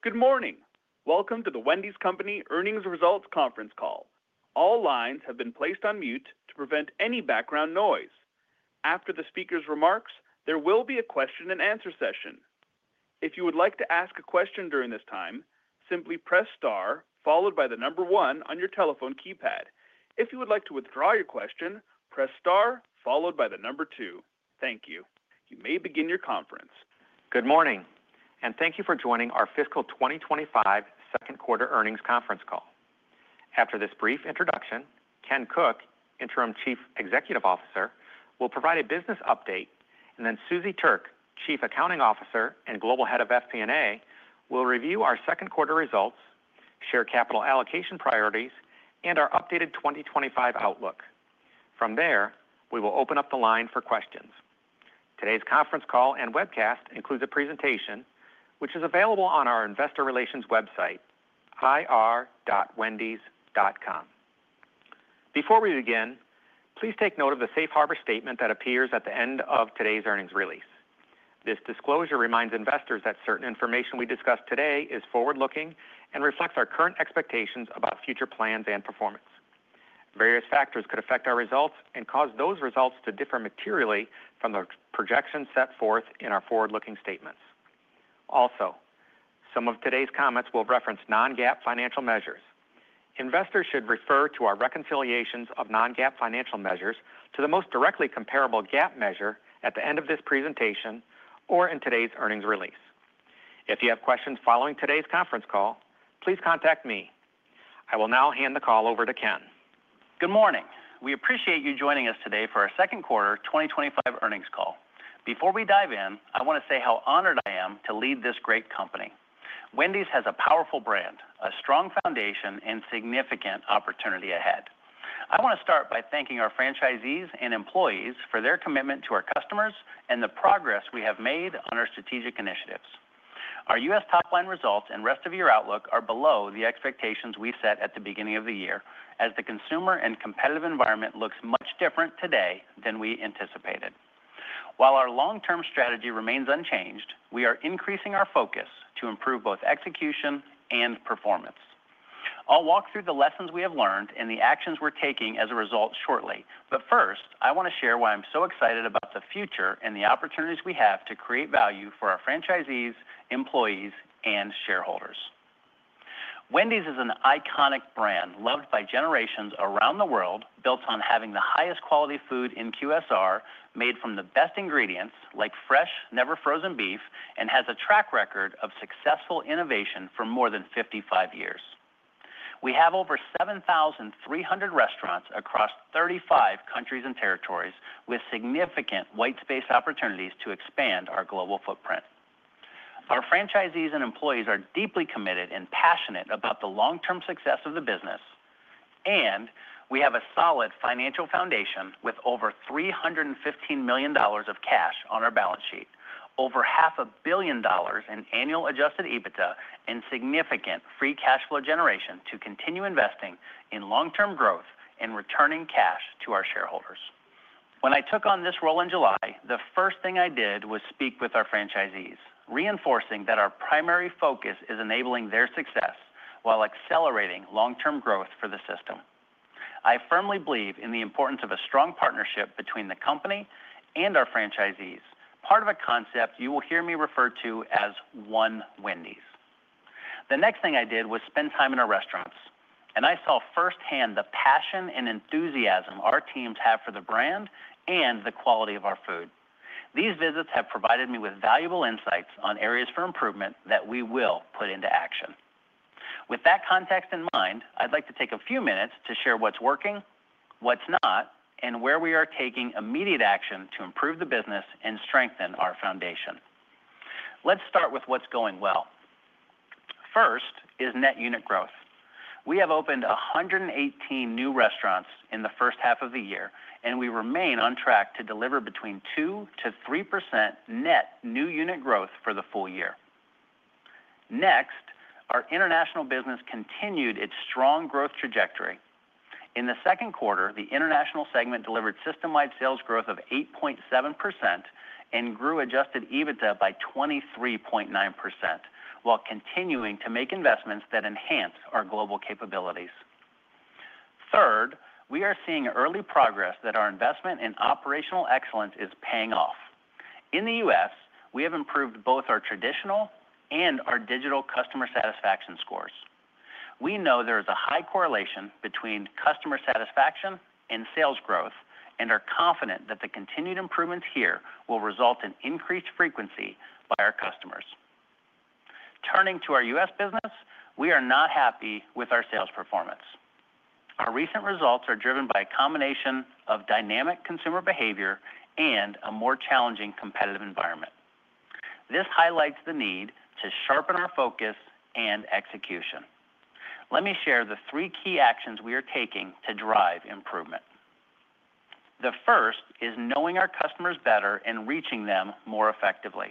Good morning. Welcome to The Wendy's Company Earnings Results conference call. All lines have been placed on mute to prevent any background noise. After the speaker's remarks, there will be a question and answer session. If you would like to ask a question during this time, simply press star followed by the number one on your telephone keypad. If you would like to withdraw your question, press star followed by the number two. Thank you. You may begin your conference. Good morning and thank you for joining our fiscal 2025 second quarter earnings conference call. After this brief introduction, Ken Cook, Interim Chief Executive Officer, will provide a business update and then Suzie Thuerk, Chief Accounting Officer and Global Head of FP&A, will review our second quarter results, share capital allocation priorities, and our updated 2025 outlook. From there we will open up the line for questions. Today's conference call and webcast includes a presentation which is available on our investor relations website, ir.wendys.com. Before we begin, please take note of the safe harbor statement that appears at the end of today's earnings release. This disclosure reminds investors that certain information we discuss today is forward looking and reflects our current expectations about future plans and performance. Various factors could affect our results and cause those results to differ materially from the projections set forth in our forward looking statements. Also, some of today's comments will reference non-GAAP financial measures. Investors should refer to our reconciliations of non-GAAP financial measures to the most directly comparable GAAP measure at the end of this presentation or in today's earnings release. If you have questions following today's conference call, please contact me. I will now hand the call over to Ken. Good morning. We appreciate you joining us today for our second quarter 2025 earnings call. Before we dive in, I want to say how honored I am to lead this great company. Wendy's has a powerful brand, a strong foundation, and significant opportunity ahead. I want to start by thanking our franchisees and employees for their commitment to our customers and the progress we have made on our strategic initiatives. Our U.S. top line results and rest of year outlook are below the expectations we set at the beginning of the year as the consumer and competitive environment looks much different today than we anticipated. While our long term strategy remains unchanged, we are increasing our focus to improve both execution and performance. I'll walk through the lessons we have learned and the actions we're taking as a result shortly, but first I want to share why I'm so excited about the future and the opportunities we have to create value for our franchisees, employees, and shareholders. Wendy's is an iconic brand loved by generations around the world, built on having the highest quality food in QSR made from the best ingredients like fresh, never frozen beef, and has a track record of successful innovation for more than 55 years. We have over 7,300 restaurants across 35 countries and territories with significant white space opportunities to expand our global footprint. Our franchisees and employees are deeply committed and passionate about the long term success of the business, and we have a solid financial foundation with over $315 million of cash on our balance sheet, over $0.5 billion in annual adjusted EBITDA, and significant free cash flow generation to continue investing in long term growth and returning cash to our shareholders. When I took on this role in July, the first thing I did was speak with our franchisees, reinforcing that our primary focus is enabling their success while accelerating long term growth for the system. I firmly believe in the importance of a strong partnership between the company and our franchisees, part of a concept you will hear me refer to as One Wendy's. The next thing I did was spend time in our restaurants, and I saw firsthand the passion and enthusiasm our teams have for the brand and the quality of our food. These visits have provided me with valuable insights on areas for improvement that we will put into action. With that context in mind, I'd like to take a few minutes to share what's working, what's not, and where we are taking immediate action to improve the business and strengthen our foundation. Let's start with what's going well. First is net unit growth. We have opened 118 new restaurants in the first half of the year, and we remain on track to deliver between 2%-3% net new unit growth for the full year. Next, our international business continued its strong growth trajectory in the second quarter. The international segment delivered systemwide sales growth of 8.7% and grew adjusted EBITDA by 23.9% while continuing to make investments that enhance our global capabilities. Third, we are seeing early progress that our investment in operational excellence is paying off. In the U.S. we have improved both our traditional and our digital customer satisfaction scores. We know there is a high correlation between customer satisfaction and sales growth and are confident that the continued improvements here will result in increased frequency by our customers. Turning to our U.S. business, we are not happy with our sales performance. Our recent results are driven by a combination of dynamic consumer behavior and a more challenging competitive environment. This highlights the need to sharpen our focus and execution. Let me share the three key actions we are taking to drive improvement. The first is knowing our customers better and reaching them more effectively.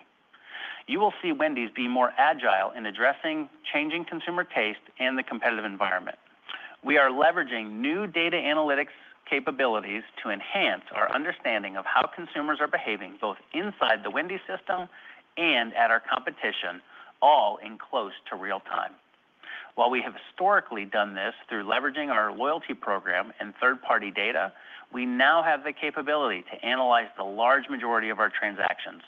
You will see Wendy’s be more agile in addressing changing consumer taste and the competitive environment. We are leveraging new data analytics capabilities to enhance our understanding of how consumers are behaving both inside the Wendy’s system and at our competition, all in close to real time. While we have historically done this through leveraging our loyalty program and third-party data, we now have the capability to analyze the large majority of our transactions.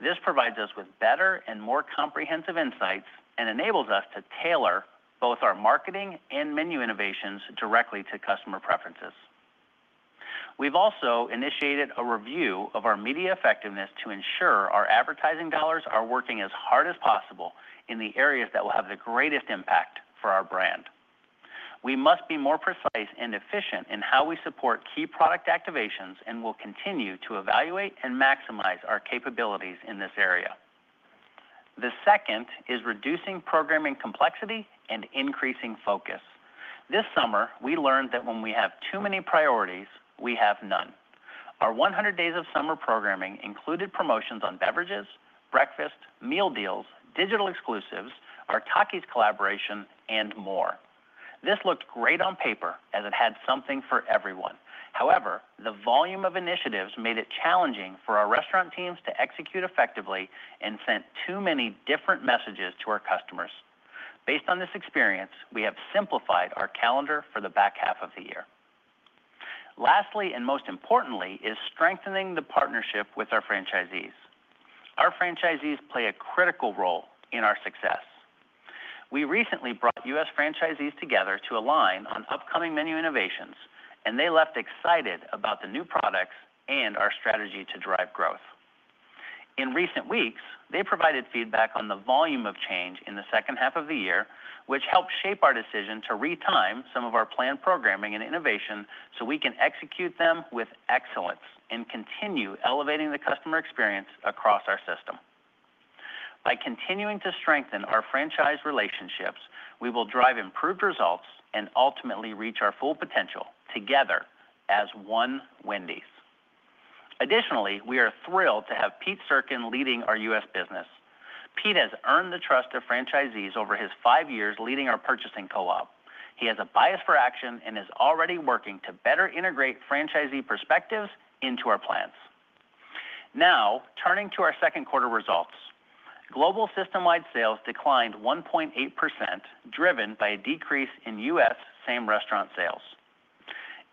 This provides us with better and more comprehensive insights and enables us to tailor both our marketing and menu innovations directly to customer preferences. We've also initiated a review of our media effectiveness to ensure our advertising dollars are working as hard as possible in the areas that will have the greatest impact for our brand. We must be more precise and efficient in how we support key product activations and will continue to evaluate and maximize our capabilities in this area. The second is reducing programming complexity and increasing focus. This summer we learned that when we have too many priorities, we have none. Our 100 days of summer programming included promotions on beverages, breakfast meal deals, digital exclusives, our Takis collaboration and more. This looked great on paper as it had something for everyone. However, the volume of initiatives made it challenging for our restaurant teams to execute effectively and sent too many different messages to our customers. Based on this experience, we have simplified our calendar for the back half of the year. Lastly, and most importantly, is strengthening the partnership with our franchisees. Our franchisees play a critical role in our success. We recently brought U.S. franchisees together to align on upcoming menu innovations, and they left excited about the new products and our strategy to drive growth. In recent weeks, they provided feedback on the volume of change in the second half of the year, which helped shape our decision to retime some of our planned programming and innovation so we can execute them with excellence and continue elevating the customer experience across our system. By continuing to strengthen our franchise relationships, we will drive improved results and ultimately reach our full potential together as One Wendy's. Additionally, we are thrilled to have Pete Serkin leading our U.S. business. Pete has earned the trust of franchisees over his five years leading our purchasing co-op. He has a bias for action and is already working to better integrate franchisee perspectives into our plans. Now turning to our second quarter results, global systemwide sales declined 1.8% driven by a decrease in U.S. same restaurant sales.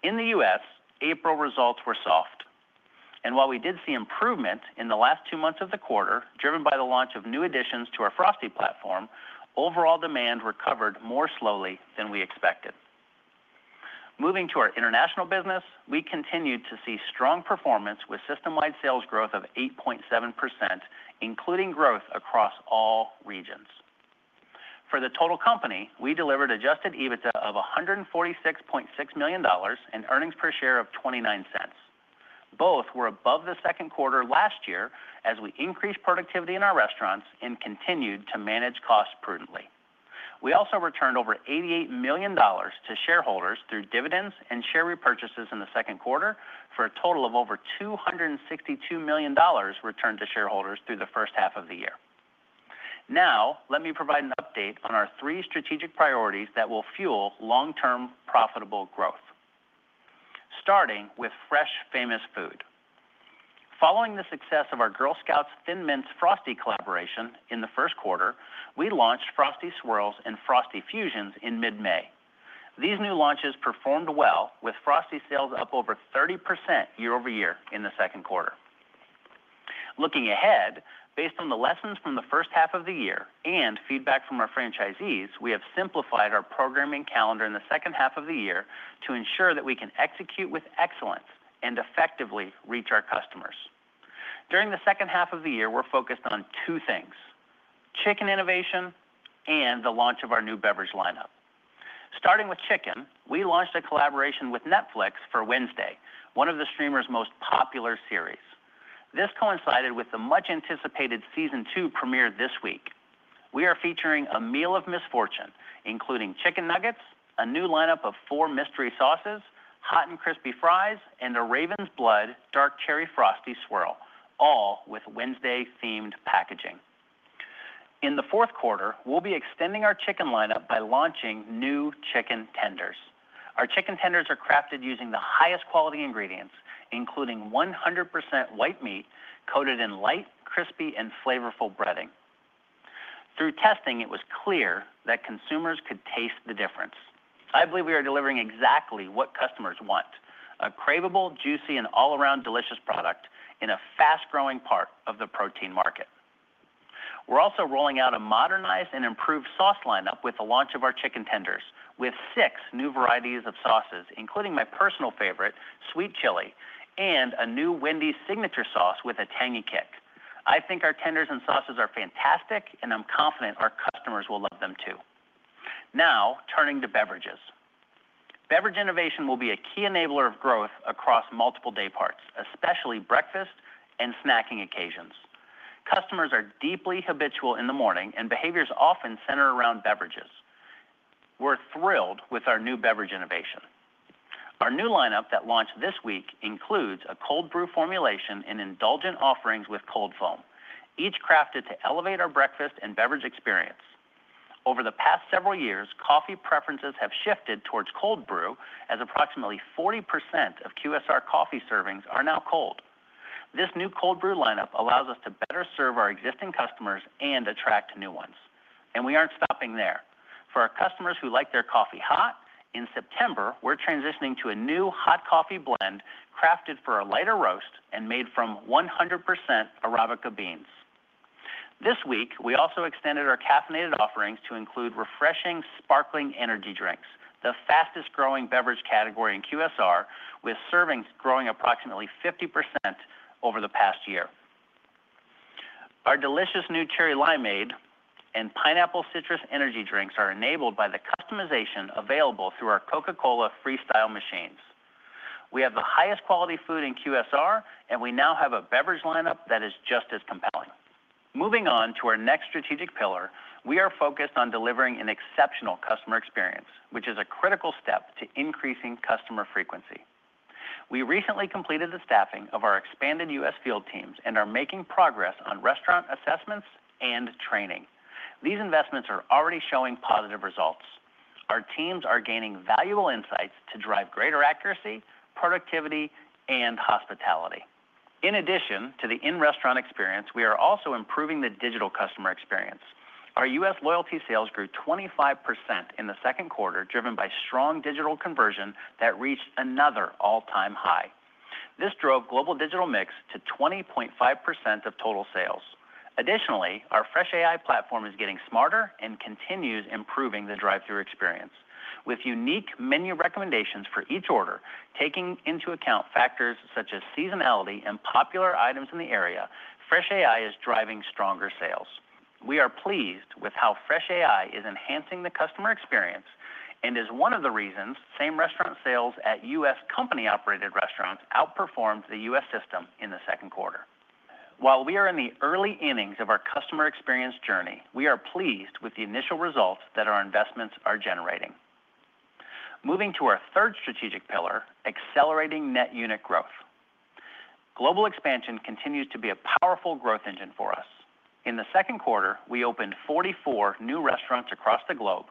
In the U.S., April results were soft, and while we did see improvement in the last two months of the quarter, driven by the launch of new additions to our Frosty platform, overall demand recovered more slowly than we expected. Moving to our international business, we continued to see strong performance with systemwide sales growth of 8.7%, including growth across all regions for the total company. We delivered adjusted EBITDA of $146.6 million and earnings per share of $0.20. Both were above the second quarter last year as we increased productivity in our restaurants and continued to manage costs prudently. We also returned over $88 million to shareholders through dividends and share repurchases in the second quarter, for a total of over $262 million returned to shareholders through the first half of the year. Now let me provide an update on our three strategic priorities that will fuel long-term profitable growth, starting with Fresh Famous Food. Following the success of our Girl Scouts Thin Mints Frosty collaboration in the first quarter, we launched Frosty Swirls and Frosty Fusions in mid-May. These new launches performed well, with Frosty sales up over 30% year over year in the second quarter. Looking ahead, based on the lessons from the first half of the year and feedback from our franchisees, we have simplified our programming calendar in the second half of the year to ensure that we can execute with excellence and effectively reach our customers. During the second half of the year, we're focused on two things, chicken innovation and the launch of our new beverage lineup. Starting with chicken, we launched a collaboration with Netflix for Wednesday, one of the streamer's most popular series. This coincided with the much anticipated season two premiere. This week we are featuring a Meal of Misfortune including chicken nuggets, a new lineup of four mystery sauces, hot and crispy fries, and a Raven's Blood Dark Cherry Frosty Swirl, all with Wednesday themed packaging. In the fourth quarter, we'll be extending our chicken lineup by launching new Chicken Tenders. Our Chicken Tenders are crafted using the highest quality ingredients, including 100% white meat coated in light, crispy, and flavorful breading. Through testing, it was clear that consumers could taste the difference. I believe we are delivering exactly what customers want, a craveable, juicy, and all around delicious product in a fast growing part of the protein market. We're also rolling out a modernized and improved sauce lineup with the launch of our Chicken Tenders with six new varieties of sauces, including my personal favorite sweet chili and a new Wendy's signature sauce with a tangy kick. I think our tenders and sauces are fantastic and I'm confident our customers will love them too. Now turning to beverages, beverage innovation will be a key enabler of growth across multiple dayparts, especially breakfast and snacking occasions. Customers are deeply habitual in the morning and behaviors often center around beverages. We're thrilled with our new beverage innovation. Our new lineup that launched this week includes a cold brew coffee formulation and indulgent offerings with cold foam, each crafted to elevate our breakfast and beverage experience. Over the past several years, coffee preferences have shifted towards cold brew as approximately 40% of QSR coffee servings are now cold. This new cold brew coffee lineup allows us to better serve our existing customers and attract new ones, and we aren't stopping there for our customers who like their coffee hot. In September, we're transitioning to a new hot coffee blend crafted for a lighter roast and made from 100% Arabica beans. This week we also extended our caffeinated offerings to include refreshing sparkling energy drinks, the fastest growing beverage category in QSR with servings growing approximately 50% over the past year. Our delicious new Cherry Limeade and Pineapple Citrus energy drinks are enabled by the customization available through our Coca-Cola Freestyle machines. We have the highest quality food in QSR, and we now have a beverage lineup that is just as compelling. Moving on to our next strategic pillar, we are focused on delivering an exceptional customer experience, which is a critical step to increasing customer frequency. We recently completed the staffing of our expanded U.S. Field teams and are making progress on restaurant assessments and training. These investments are already showing positive results. Our teams are gaining valuable insights to drive greater accuracy, productivity, and hospitality. In addition to the in-restaurant experience, we are also improving the digital customer experience. Our U.S. loyalty sales grew 25% in the second quarter, driven by strong digital conversion that reached another all-time high. This drove global digital mix to 20.5% of total sales. Additionally, our FreshAI platform is getting smarter and continues improving the drive-thru experience with unique menu recommendations for each order, taking into account factors such as seasonality and pop items in the area. FreshAI is driving stronger sales. We are pleased with how FreshAI is enhancing the customer experience and is one of the reasons same restaurant sales at U.S. company-operated restaurants outperformed the U.S. system in the second quarter. While we are in the early innings of our customer experience journey, we are pleased with the initial results that our investments are generating. Moving to our third strategic pillar, accelerating net unit growth, global expansion continues to be a powerful growth engine for us. In the second quarter, we opened 44 new restaurants across the globe,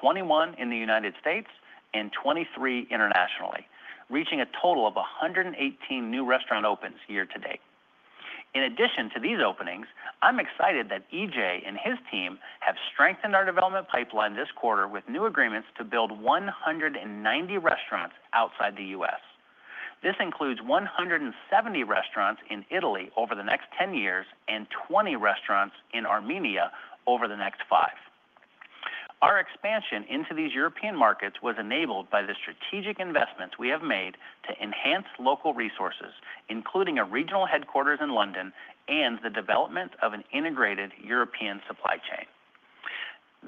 21 in the United States and 23 internationally, reaching a total of 118 new restaurant opens year to date. In addition to these openings, I'm excited that EJ and his team have strengthened our development pipeline this quarter with new agreements to build 190 restaurants outside the U.S. This includes 170 restaurants in Italy over the next 10 years and 20 restaurants in Armenia over the next five. Our expansion into these European markets was enabled by the strategic investments we have made to enhance local resources, including a regional headquarters in London and the development of an integrated European supply chain.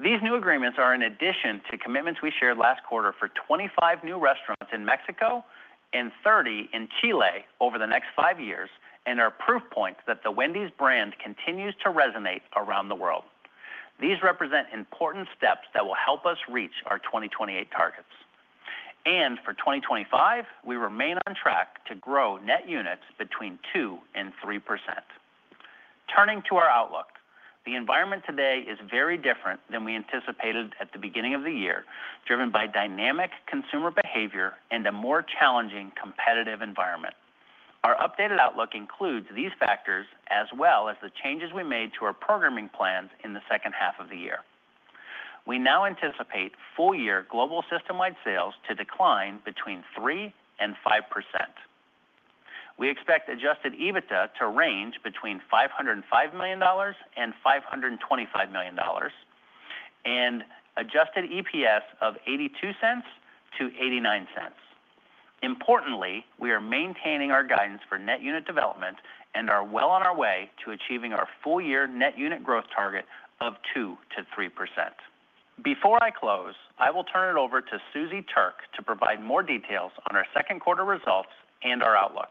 These new agreements are in addition to commitments we shared last quarter for 25 new restaurants in Mexico and 30 in Chile over the next five years and are proof points that The Wendy's brand continues to resonate around the world. These represent important steps that will help us reach our 2028 targets and for 2025 we remain on track to grow net units between 2% and 3%. Turning to our outlook, the environment today is very different than we anticipated at the beginning of the year, driven by dynamic consumer behavior and a more challenging competitive environment. Our updated outlook includes these factors as well as the changes we made to our programming plans in the second half of the year. We now anticipate full year global systemwide sales to decline between 3% and 5%. We expect adjusted EBITDA to range between $505 million and $525 million and adjusted EPS of $0.82-$0.89. Importantly, we are maintaining our guidance for net unit development and are well on our way to achieving our full year net unit growth target of 2%-3%. Before I close, I will turn it over to Suzie Thuerk to provide more details on our second quarter results and our outlook.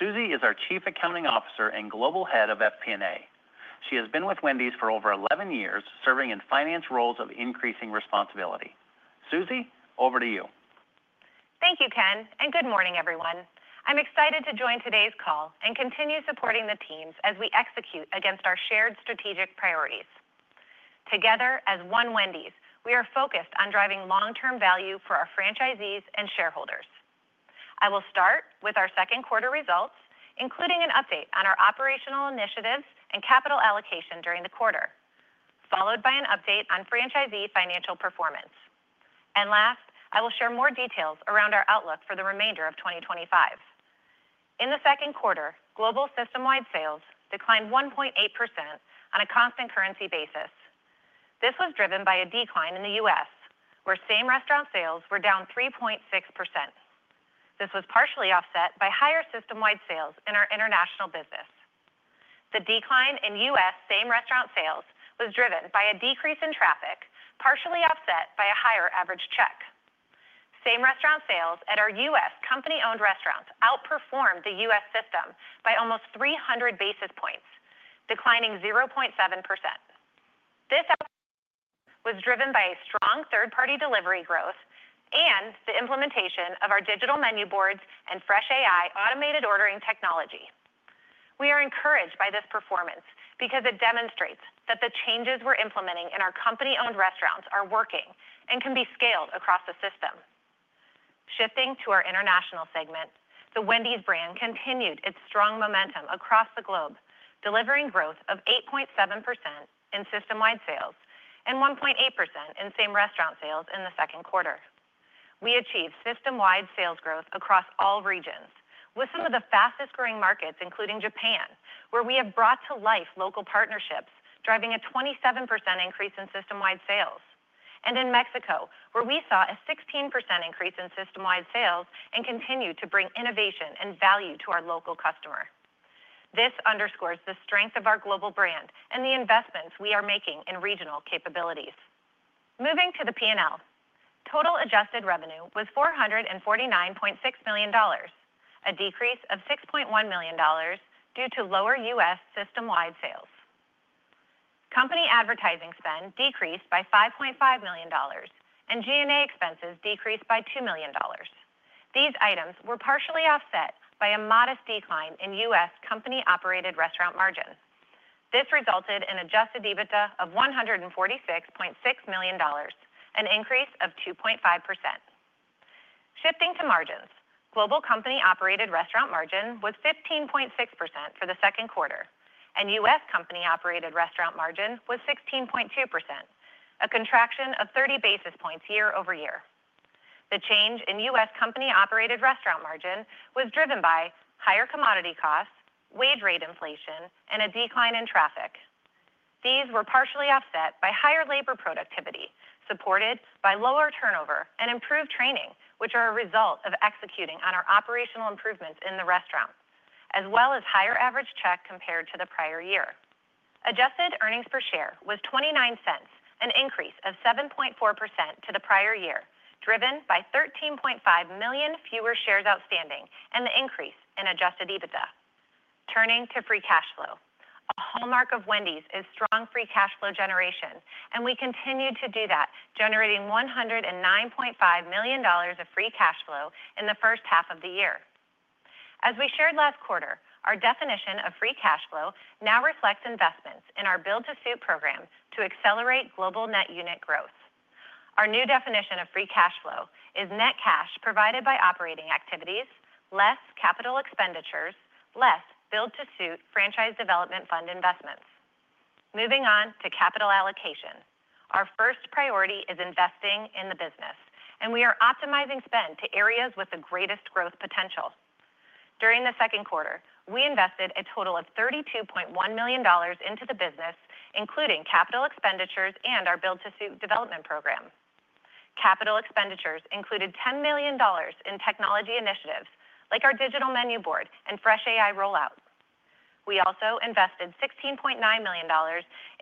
Suzie is our Chief Accounting Officer and Global Head of FP&A. She has been with Wendy's for over 11 years serving in Finance roles of increasing responsibility. Suzie, over to you. Thank you Ken and good morning everyone. I'm excited to join today's call and continue supporting the teams as we execute against our shared strategic priorities. Together as One Wendy's, we are focused on driving long-term value for our franchisees and shareholders. I will start with our second quarter results, including an update on our operational initiatives and capital allocation during the quarter, followed by an update on franchisee financial performance, and last, I will share more details around our outlook for the remainder of 2025. In the second quarter, global systemwide sales declined 1.8% on a constant currency basis. This was driven by a decline in the U.S., where same restaurant sales were down 3.6%. This was partially offset by higher systemwide sales in our international business. The decline in U.S. same restaurant sales was driven by a decrease in traffic, partially offset by a higher average check. Same restaurant sales at our U.S. company-owned restaurants outperformed the U.S. system by almost 300 basis points, declining 0.7%. This was driven by strong third-party delivery growth and the implementation of our digital menu boards and FreshAI automated ordering technology. We are encouraged by this performance because it demonstrates that the changes we're implementing in our company-owned restaurants are working and can be scaled across the system. Shifting to our international segment, the Wendy's brand continued its strong momentum across the globe, delivering growth of 8.7% in systemwide sales and 1.8% in same restaurant sales. In the second quarter, we achieved systemwide sales growth across all regions, with some of the fastest growing markets including Japan, where we have brought to life local partnerships driving a 27% increase in systemwide sales, and in Mexico, where we saw a 16% increase in systemwide sales and continue to bring innovation and value to our local customer. This underscores the strength of our global brand and the investments we are making in regional capabilities. Moving to the P&L, total adjusted revenue was $449.6 million, a decrease of $6.1 million due to lower U.S. systemwide sales. Company advertising spend decreased by $5.5 million and G&A expenses decreased by $2 million. These items were partially offset by a modest decline in U.S. company-operated restaurant margin. This resulted in adjusted EBITDA of $146.6 million, an increase of 2.5%. Shifting to margins, global company operated restaurant margin was 15.6% for the second quarter and U.S. company operated restaurant margin was 16.2%, a contraction of 30 basis points year over year. The change in U.S. company operated restaurant margin was driven by higher commodity costs, wage rate inflation, and a decline in traffic. These were partially offset by higher labor productivity supported by lower turnover and improved training, which are a result of executing on our operational improvements in the restaurant as well as higher average check compared to the prior year. Adjusted Earnings Per Share was $0.29, an increase of 7.4% to the prior year driven by 13.5 million fewer shares outstanding and the increase in adjusted EBITDA. Turning to free cash flow, a hallmark of Wendy’s is strong free cash flow generation and we continue to do that, generating $109.5 million of free cash flow in the first half of the year. As we shared last quarter, our definition of free cash flow now reflects investments in our Build-to-Suit program to accelerate global net unit growth. Our new definition of free cash flow is net cash provided by operating activities less capital expenditures, less Build-to-Suit Franchise Development Fund investments. Moving on to capital allocation, our first priority is investing in the business and we are optimizing spend to areas with the greatest growth potential. During the second quarter, we invested a total of $32.1 million into the business including capital expenditures and our Build-to-Suit development program. Capital expenditures included $10 million in technology initiatives like our digital menu boards and FreshAI rollout. We also invested $16.9 million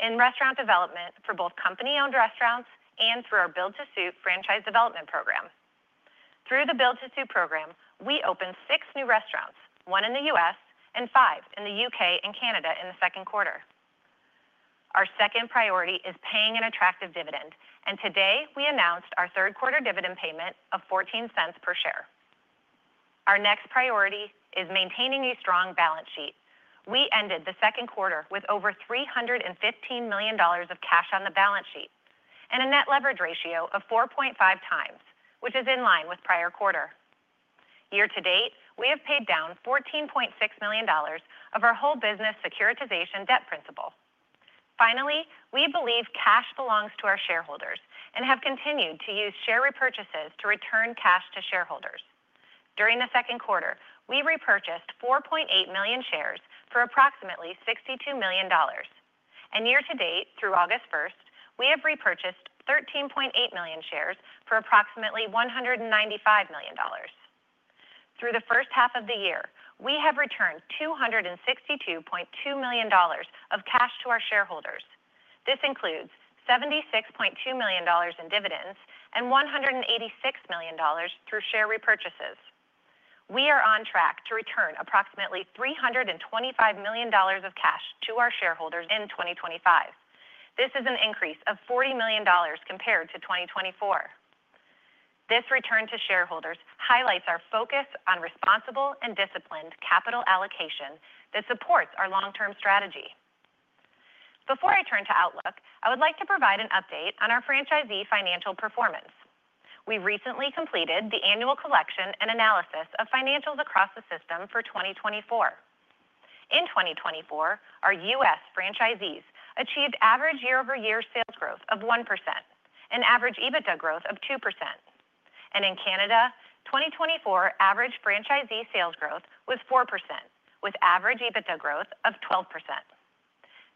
in restaurant development for both company owned restaurants and through our Build-to-Suit franchise development program. Through the Build-to-Suit program, we opened six new restaurants, one in the U.S. and five in the U.K. and Canada in the second quarter. Our second priority is paying an attractive dividend and today we announced our third quarter dividend payment of $0.14 per share. Our next priority is maintaining a strong balance sheet. We ended the second quarter with over $315 million of cash on the balance sheet and a net leverage ratio of 4.5x, which is in line with prior quarter year. To date, we have paid down $14.6 million of our Whole Business Securitization debt principal. Finally, we believe cash belongs to our shareholders and have continued to use share repurchases to return cash to shareholders. During the second quarter, we repurchased 4.8 million shares for approximately $62 million, and year to date through August 1, we have repurchased 13.8 million shares for approximately $195 million. Through the first half of the year, we have returned $262.2 million of cash to our shareholders. This includes $76.2 million in dividends and $186 million through share repurchases. We are on track to return approximately $325 million of cash to our shareholders in 2025. This is an increase of $40 million compared to 2024. This return to shareholders highlights our focus on responsible and disciplined capital allocation that supports our long-term strategy. Before I turn to outlook, I would like to provide an update on our franchisee financial performance. We recently completed the annual collection and analysis of financials across the system for 2024. In 2024, our U.S. franchisees achieved average year-over-year sales growth of 1% and average EBITDA growth of 2%, and in Canada, 2024 average franchisee sales growth was 4% with average EBITDA growth of 12%.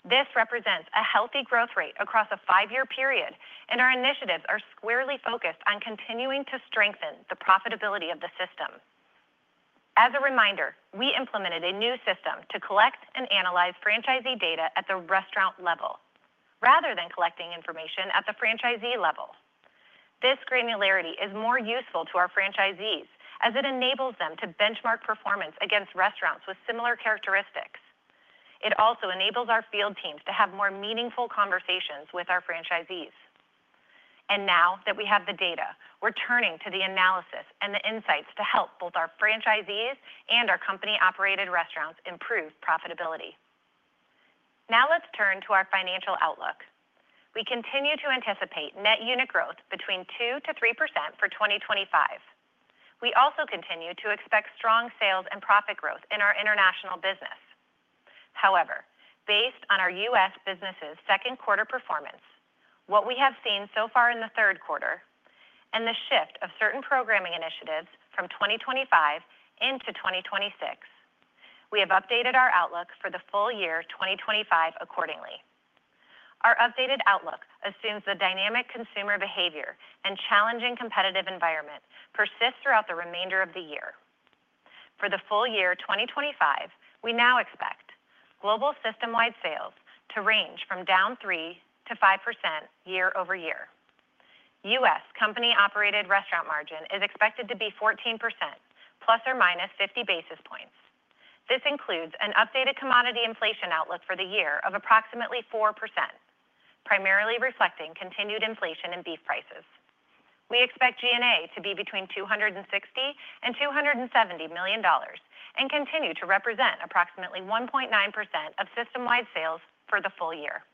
This represents a healthy growth rate across a five-year period, and our initiatives are squarely focused on continuing to strengthen the profitability of the system. As a reminder, we implemented a new system to collect and analyze franchisee data at the restaurant level rather than collecting information at the franchisee level. This granularity is more useful to our franchisees as it enables them to benchmark performance against restaurants with similar characteristics. It also enables our field teams to have more meaningful conversations with our franchisees. Now that we have the data, we're turning to the analysis and the insights to help both our franchisees and our company-operated restaurants improve profitability. Now let's turn to our financial outlook. We continue to anticipate net unit growth between 2%-3% for 2025. We also continue to expect strong sales and profit growth in our international business. However, based on our U.S. business's second quarter performance, what we have seen so far in the third quarter, and the shift of certain programming initiatives from 2025 into 2026, we have updated our outlook for the full year 2025 accordingly. Our updated outlook assumes the dynamic consumer behavior and challenging competitive environment persist throughout the remainder of the year. For the full year 2025, we now expect global systemwide sales to range from down 3%-5% year over year. U.S. company operated restaurant margin is expected to be 14% ±50 basis points. This includes an updated commodity inflation outlook for the year of approximately 4%, primarily reflecting continued inflation in beef prices. We expect G&A to be between $260 million and $270 million and continue to represent approximately 1.9% of systemwide sales for the full year.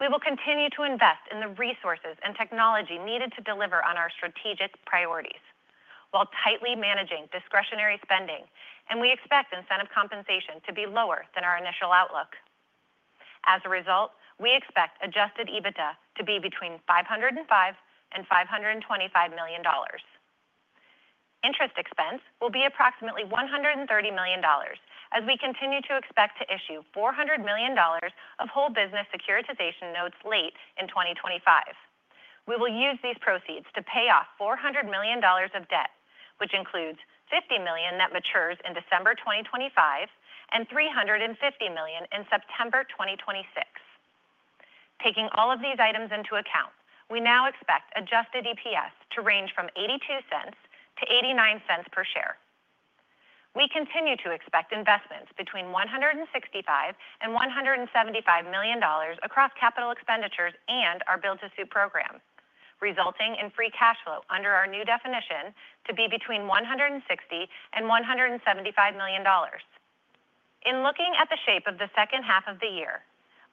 We will continue to invest in the resources and technology needed to deliver on our strategic priorities while tightly managing discretionary spending, and we expect incentive compensation to be lower than our initial outlook. As a result, we expect adjusted EBITDA to be between $505 million and $525 million. Interest expense will be approximately $130 million. As we continue to expect to issue $400 million of Whole Business Securitization notes late in 2025, we will use these proceeds to pay off $400 million of debt, which includes $50 million that matures in December 2025 and $350 million in September 2026. Taking all of these items into account, we now expect adjusted EPS to range from $0.82-$0.89 per share. We continue to expect investments between $165 million and $175 million across capital expenditures program, resulting in free cash flow under our new definition to be between $160 million and $175 million. In looking at the shape of the second half of the year,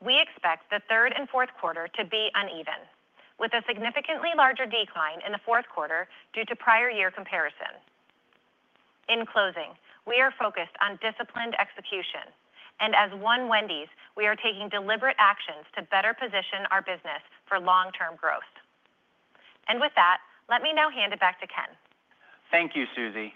we expect the third and fourth quarter to be uneven with a significantly larger decline in the fourth quarter due to prior year comparison. In closing, we are focused on disciplined execution and as One Wendy's, we are taking deliberate actions to better position our business for long term growth. With that, let me now hand it back to Ken. Thank you, Suzie.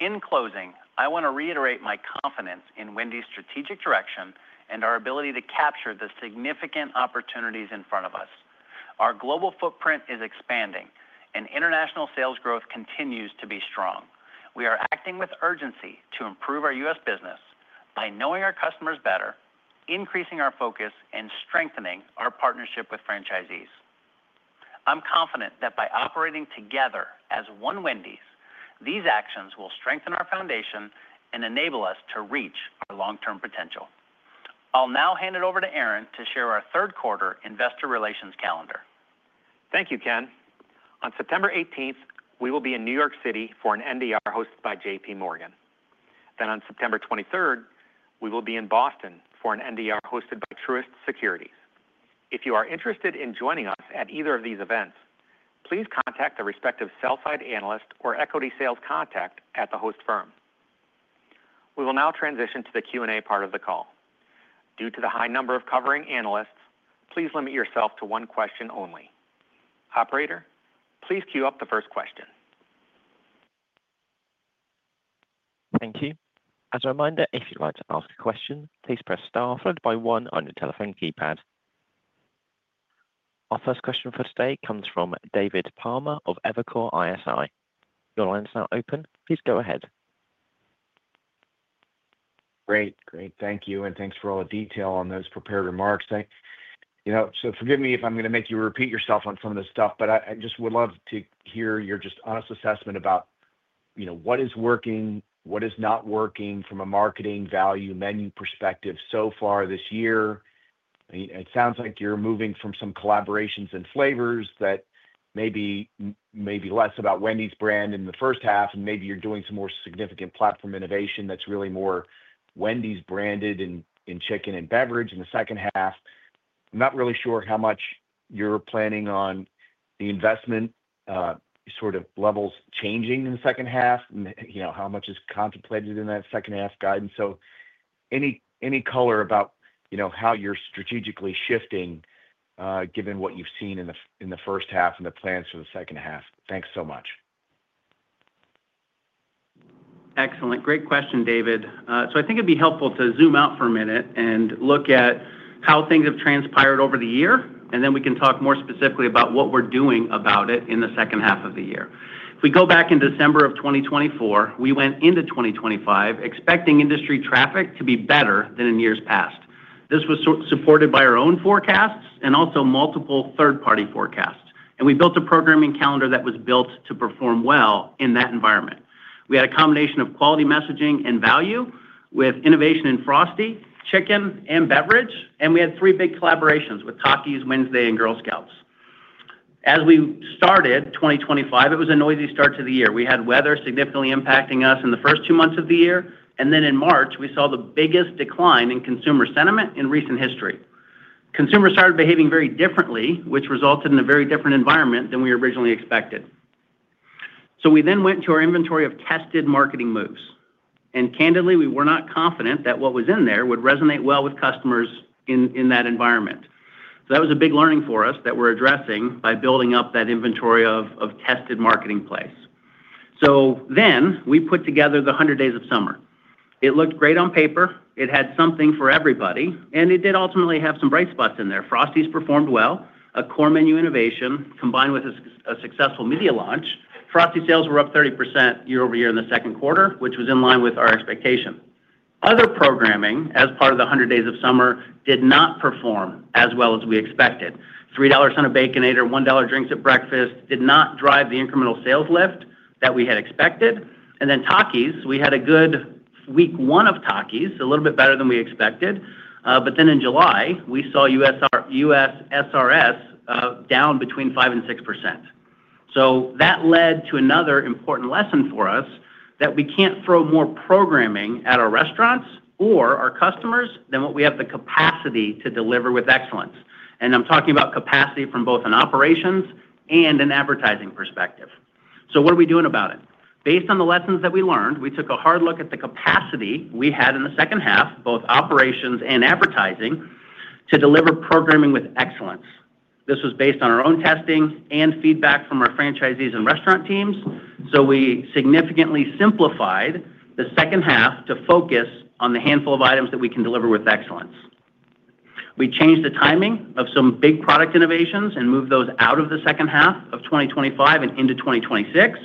In closing, I want to reiterate my confidence in Wendy's strategic direction and our ability to capture the significant opportunities in front of us. Our global footprint is expanding, and international sales growth continues to be strong. We are acting with urgency to improve our U.S. business by knowing our customers better, increasing our focus, and strengthening our partnership with franchisees. I'm confident that by operating together as One Wendy's, these actions will strengthen our foundation and enable us to reach long-term potential. I'll now hand it over to Aaron to share our third quarter investor relations calendar. Thank you, Ken. On September 18th, we will be in New York City for an NDR hosted by JPMorgan. On September 23rd, we will be in Boston for an NDR hosted by Truist Securities. If you are interested in joining us at either of these events, please contact the respective sell-side analyst or equity sales contact at the host firm. We will now transition to the Q&A part of the call. Due to the high number of covering analysts, please limit yourself to one question only. Operator, please queue up the first question. Thank you. As a reminder, if you'd like to ask a question, please press star followed by one on your telephone keypad. Our first question for today comes from David Palmer of Evercore ISI. Your line is now open. Please go ahead. Great. Thank you, and thanks for all the detail on those prepared remarks. Forgive me if I'm going to make you repeat yourself on some of this stuff, but I just would love to hear your honest assessment about what is working, what is not working from a marketing value menu perspective. So far this year, it sounds like you're moving from some collaborations and flavors that may be less about Wendy's brand in the first half, and maybe you're doing some more significant platform innovation that's really more Wendy's branded in chicken and beverage in the second half. Not really sure how much you're planning on the investment levels changing in the second half, how much is contemplated in that second half guidance. Any color about how you're strategically shifting given what you've seen in the first half and the plans for the second half. Thanks so much. Excellent. Great question, David. I think it'd be helpful to zoom out for a minute and look at how things have transpired over the year, and then we can talk more specifically about what we're doing about it in the second half of the year. If we go back, in December of 2024, we went into 2025 expecting industry traffic to be better than in years past. This was supported by our own forecasts and also multiple third-party forecasts. We built a programming calendar that was built to perform well in that environment. We had a combination of quality messaging and value with innovation in Frosty, chicken, and beverage. We had three big collaborations with Takis, Wednesday, and Girl Scouts. As we started 2025, it was a noisy start to the year. We had weather significantly impacting us in the first two months of the year. In March, we saw the biggest decline in consumer sentiment in recent history. Consumers started behaving very differently, which resulted in a very different environment than we originally expected. We then went to our inventory of tested marketing moves, and candidly, we were not confident that what was in there would resonate well with customers in that environment. That was a big learning for us that we're addressing by building up that inventory of tested marketing plays. We put together the 100 Days of Summer. It looked great on paper. It had something for everybody, and it did ultimately have some bright spots in there. Frosty's performed well, a core menu innovation combined with a successful media launch. Frozen sales were up 30% year over year in the second quarter, which was in line with our expectation. Other programming as part of the 100 Days of Summer did not perform as well as we expected. $3 on a Baconator, $1 drinks at breakfast did not drive the incremental sales lift that we had expected. Takis had a good week, one of Takis a little bit better than we expected. In July, we saw U.S. SRS down between 5% and 6%. That led to another important lesson for us, that we can't throw more programming at our restaurants or our customers than what we have the capacity to deliver with excellence. I'm talking about capacity from both an operations and an advertising perspective. What are we doing about it? Based on the lessons that we learned, we took a hard look at the capacity we had in the second half, both operations and advertising, to deliver programming with excellence. This was based on our own testing and feedback from our franchisees and restaurant teams. We significantly simplified the second half to focus on the handful of items that we can deliver with excellence. We changed the timing of some big product innovations and moved those out of the second half of 2025 and into 2026.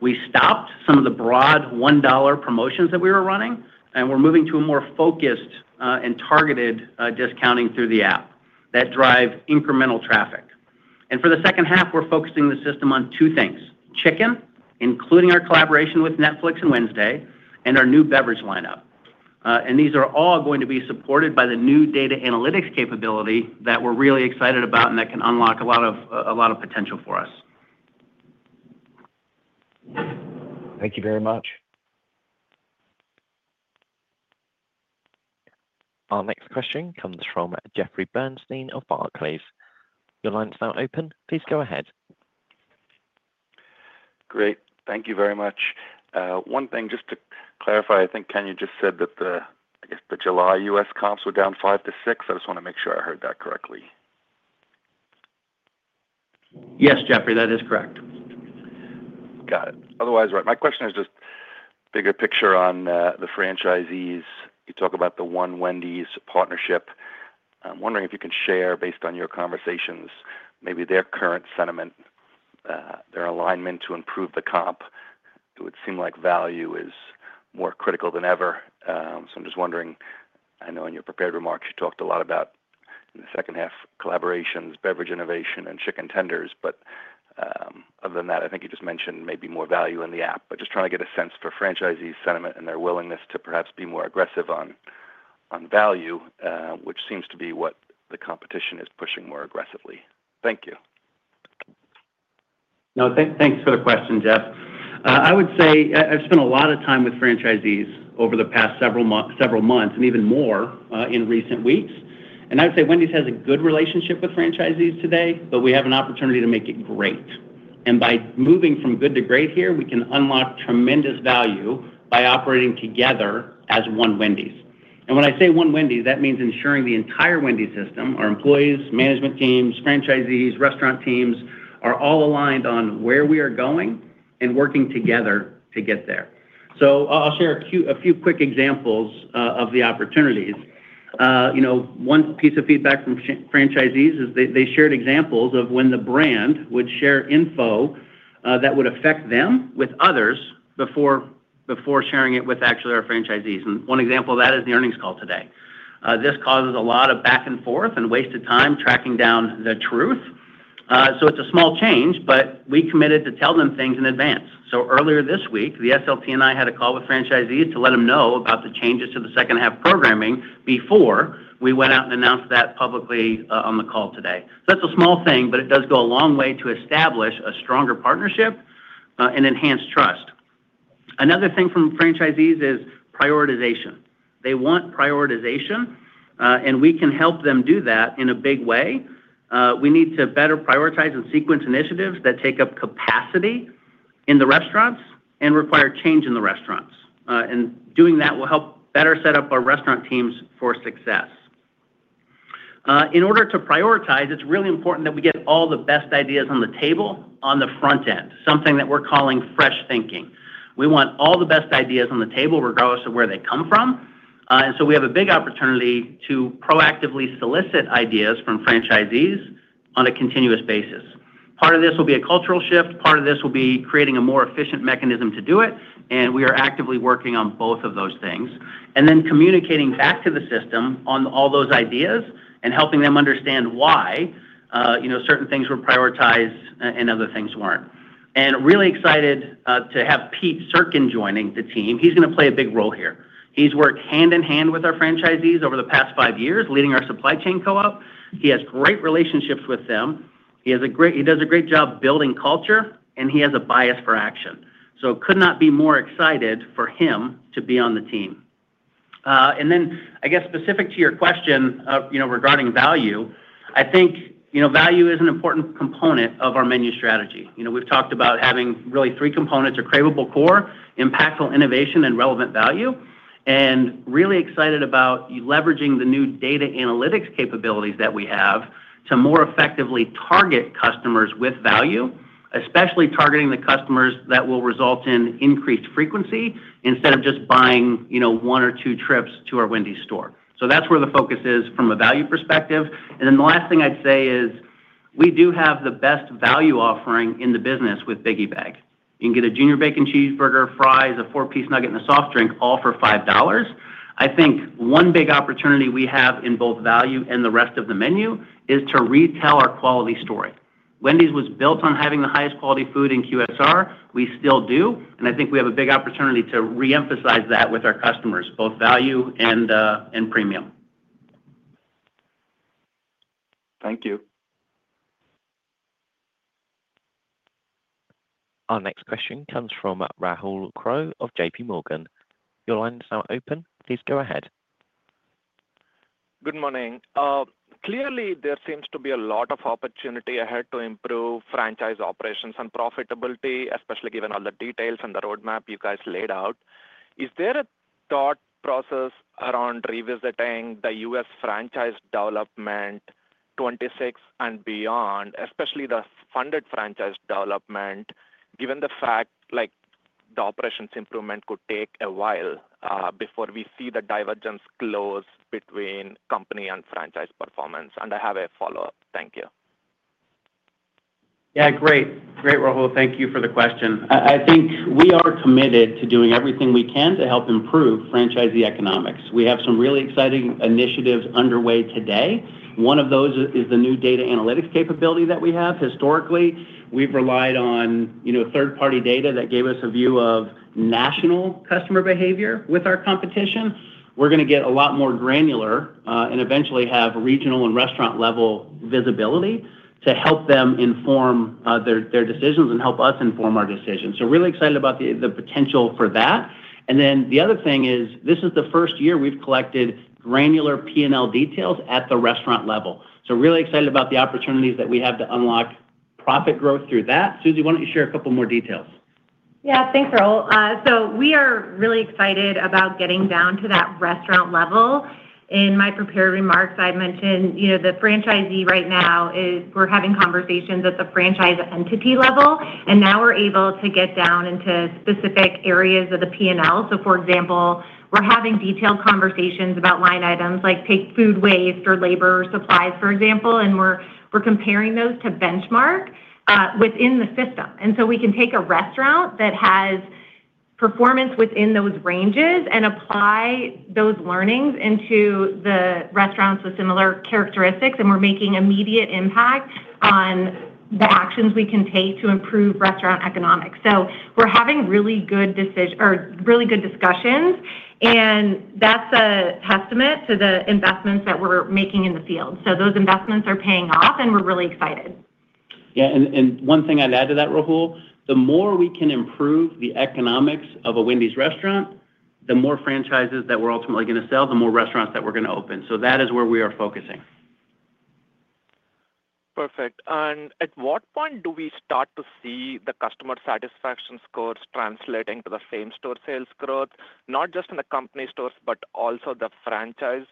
We stopped some of the broad $1 promotions that we were running and we're moving to a more focused and targeted discounting through the app that drive incremental traffic. For the second half, we're focusing the system on two things: chicken, including our collaboration with Netflix and Wednesday, and our new beverage lineup. These are all going to be supported by the new data analytics capability that we're really excited about, and that can unlock a lot of potential for us. Thank you very much. Our next question comes from Jeffrey Bernstein of Barclays. Your line is now open. Please go ahead. Great, thank you very much. One thing just to clarify, I think Ken just said that the July U.S. comps were down 5%-6%. I just want to make sure I heard that correctly. Yes, Jeffrey, that is correct. Got it. Otherwise, my question is just bigger picture on the franchisees. You talk about the One Wendy's partnership. I'm wondering if you can share, based on your conversations, maybe their current sentiment, their alignment to improve the comp. It would seem like value is more critical than ever. I'm just wondering, I know in your prepared remarks you talked a lot about the second half collaborations, beverage innovation, and chicken tenders. Other than that, I think you just mentioned maybe more value in the app, but just trying to get a sense for franchisees' sentiment and their willingness to perhaps be more aggressive on value, which seems to be what the competition is pushing more aggressively. Thank you. Thanks for the question, Jeff. I would say I've spent a lot of time with franchisees over the past several months, and even more in recent weeks. I would say Wendy's has a good relationship with franchisees today, but we have an opportunity to make it great. By moving from good to great here, we can unlock tremendous value by operating together as One Wendy's. When I say One Wendy's, that means ensuring the entire Wendy's system—our employees, management teams, franchisees, restaurant teams—are all aligned on where we are going and working together to get there. I'll share a few quick examples of the opportunities. One piece of feedback from franchisees is they shared examples of when the brand would share info that would affect them with others before sharing it with our franchisees. One example of that is the earnings call today. This causes a lot of back and forth and wasted time tracking down the truth. It's a small change, but we committed to tell them things in advance. Earlier this week the SLT and I had a call with franchisees to let them know about the changes to the second half programming before we went out and announced that publicly on the call today. That's a small thing, but it does go a long way to establish a stronger partnership and enhance trust. Another thing from franchisees is prioritization. They want prioritization and we can help them do that in a big way. We need to better prioritize and sequence initiatives that take up capacity in the restaurants and require change in the restaurants. Doing that will help better set up our restaurant teams for success. In order to prioritize, it's really important that we get all the best ideas on the table on the front end, something that we're calling fresh thinking. We want all the best ideas on the table regardless of where they come from. We have a big opportunity to proactively solicit ideas from franchisees on a continuous basis. Part of this will be a cultural shift, part of this will be creating a more efficient mechanism to do it. We are actively working on both of those things and then communicating back to the system on all those ideas and helping them understand why certain things were prioritized and other things weren't. Really excited to have Pete Serkin joining the team. He's going to play a big role here. He's worked hand in hand with our franchisees over the past five years leading our supply chain co-op. He has great relationships with them. He does a great job building culture and he has a bias for action. Could not be more excited for him to be on the team. Specific to your question regarding value, value is an important component of our menu strategy. We've talked about having really three components of craveable core, impactful innovation, and relevant value. Really excited about leveraging the new data analytics capabilities that we have to more effectively target customers with value, especially targeting the customers that will result in increased frequency. Instead of just buying, you know, one or two trips to our Wendy's store, that's where the focus is from a value perspective. The last thing I'd say is we do have the best value offering in the business. With Biggie Bag, you can get a junior bacon cheeseburger, fries, a four piece nugget, and a soft drink, all for $5. I think one big opportunity we have in both value and the rest of the menu is to retell our quality story. Wendy's was built on having the highest quality food in QSR. We still do, and I think we have a big opportunity to reemphasize that with our customers, both value and premium. Thank you. Our next question comes from Rahul Krotthapalli of JPMorgan. Your line is now open. Please go ahead. Good morning. Clearly there seems to be a lot of opportunity ahead to improve franchise operations and profitability, especially given all the details and the roadmap you guys laid out. Is there a thought process around revisiting the U.S. franchise development 2026 and beyond, especially the funded franchise development given the fact the operations improvement could take a while before we see the divergence close between company and franchise performance? I have a follow up. Thank you. Yeah, great, great. Rahul, thank you for the question. I think we are committed to doing everything we can to help improve franchisee economics. We have some really exciting initiatives underway today. One of those is the new data analytics capability that we have. Historically we've relied on third party data that gave us a view of national customer behavior. With our competition, we're going to get a lot more granular and eventually have regional and restaurant level visibility to help them inform their decisions and help us inform our decisions. Really excited about the potential for that. The other thing is this is the first year we've collected granular P&L details at the restaurant level. Really excited about the opportunities that we have to unlock profit growth through that. Suzie, why don't you share a couple more details? Yeah, thanks, Rahul. We are really excited about getting down to that restaurant level. In my prepared remarks, I mentioned, you know, the franchisee right now is we're having conversations at the franchise entity level, and now we're able to get down into specific areas of the P&L. For example, we're having detailed conversations about line items like take food waste or labor supplies, for example. We're comparing those to benchmark within the system. We can take a restaurant that has performance within those ranges and apply those learnings into the restaurants with similar characteristics, and we're making immediate impact on the actions we can take to improve restaurant economics. We're having really good discussions, and that's a testament to the investments that we're making in the field. Those investments are paying off, and we're really excited. Yeah. One thing I'd add to that, Rahul, the more we can improve the economics of a Wendy's restaurant, the more franchises that we're ultimately going to sell, the more restaurants that we're going to open. That is where we are focusing. Perfect. At what point do we start to see the customer satisfaction scores translating to the same store sales growth, not just in the company stores, but also the franchise?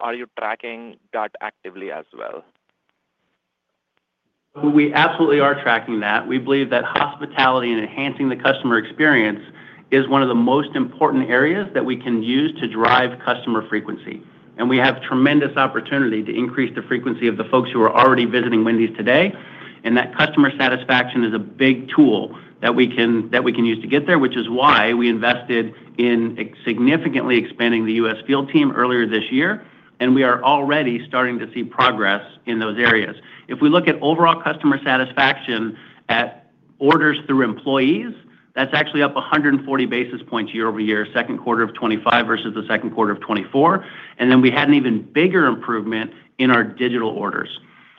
Are you tracking that actively as well? We absolutely are tracking that. We believe that hospitality and enhancing the customer experience is one of the most important areas that we can use to drive customer frequency. We have tremendous opportunity to increase the frequency of the folks who are already visiting Wendy's today, and that customer satisfaction is a big tool that we can use to get there, which is why we invested in significantly expanding the U.S. Field team earlier this year. We are already starting to see progress in those areas. If we look at overall customer satisfaction at orders through employees, that's actually up 140 basis points year over year, second quarter of 2025 versus second quarter of 2024. We had an even bigger improvement in our digital orders.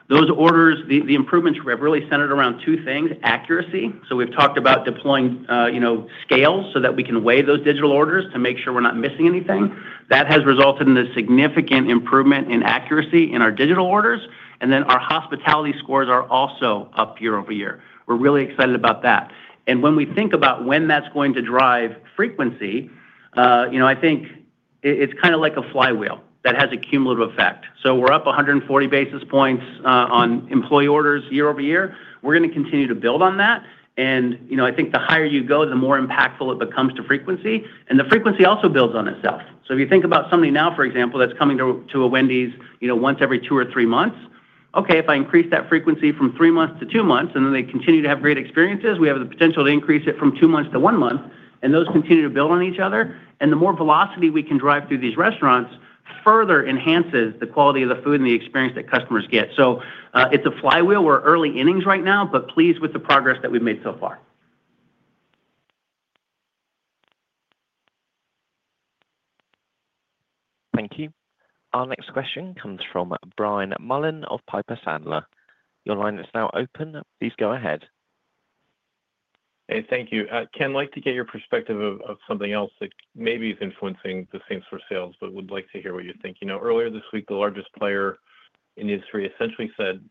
Those orders, the improvements were really centered around two things: accuracy, so we've talked about deploying, you know, scale so that we can weigh those digital orders to make sure we're not missing anything. That has resulted in a significant improvement in accuracy in our digital orders. Our hospitality scores are also up year over year. We're really excited about that. When we think about when that's going to drive frequency, I think it's kind of like a flywheel that has a cumulative effect. We're up 140 basis points on employee orders year over year. We're going to continue to build on that. I think the higher you go, the more impactful it becomes to frequency, and the frequency also builds on itself. If you think about somebody now, for example, that's coming to a Wendy's once every two or three months, if I increase that frequency from three months to two months, and then they continue to have great experiences, we have the potential to increase it from two months to one month. Those continue to build on each other, and the more velocity we can drive through these restaurants further enhances the quality of the food and the experience that customers get. It's a flywheel. We're early innings right now, but pleased with the progress that we've made so far. Thank you. Our next question comes from Brian Mullan of Piper Sandler. Your line is now open. Please go ahead. Hey, thank you, Ken. Like to get your perspective of something else that maybe is influencing the same store sales, but would like to hear what you think. You know, earlier this week, the largest player in history essentially said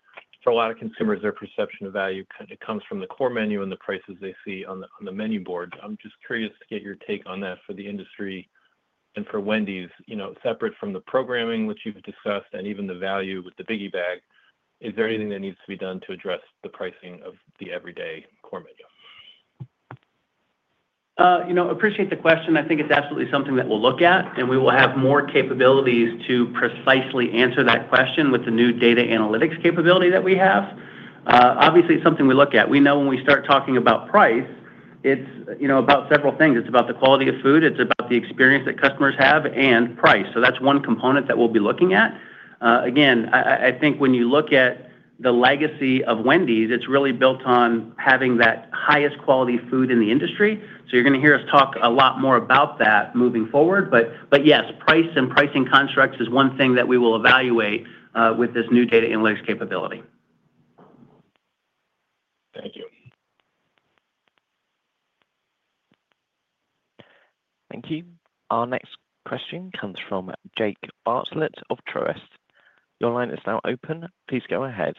for a lot of consumers, their perception of value comes from the core menu and the prices they see on the menu board. I'm just curious to get your take on that for the industry and for Wendy's. You know, separate from the programming which you've discussed, and even the value with the Biggie bag, is there anything that needs to be done to address the pricing of the everyday core method? You know, appreciate the question. I think it's absolutely something that we'll look at and we will have more capabilities to precisely answer that question with the new data analytics capability that we have. Obviously it's something we look at. We know when we start talking about price, it's about several things. It's about the quality of food, it's the experience that customers have and price. That's one component that we'll be looking at. Again, I think when you look at the legacy of Wendy's, it's really built on having that highest quality food in the industry. You're going to hear us talk a lot more about that moving forward. Yes, price and pricing constructs is one thing that we will evaluate with this new data analytics capability. Thank you. Our next question comes from Jake Bartlett of Truist. Your line is now open. Please go ahead.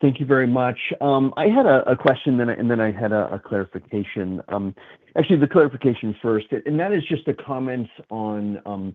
Thank you very much. I had a question and then I had a clarification. Actually the clarification first. That is just a comment on you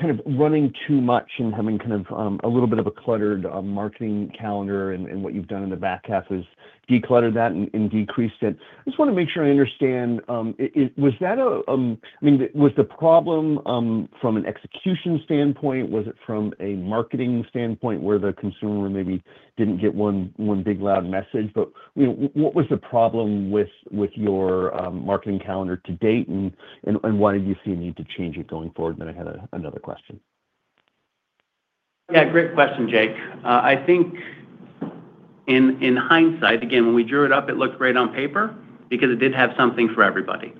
kind of running too much and having kind of a little bit of a cluttered marketing calendar. What you've done in the back half is declutter that and decreased it. I just want to make sure I understand. Was that, I mean, was the problem from an execution standpoint, was it from a marketing standpoint where the consumer maybe didn't get one big loud message? What was the problem with your marketing calendar to date and why did you see a need to change it going forward? Then I had another question. Yeah, great question, Jake. I think in hindsight, again, when we drew it up, it looked great on paper because it did have something for everybody.